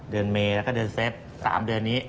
เดือนเมภศพแล้วก็เดือนเซปเบอร์๓เดือนนี้